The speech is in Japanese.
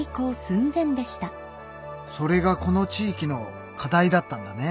それがこの地域の課題だったんだね。